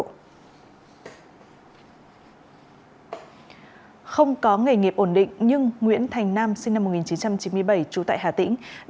không có nghề nghiệp ổn định nhưng nguyễn thành nam sinh năm một nghìn chín trăm chín mươi bảy trú tại hà tĩnh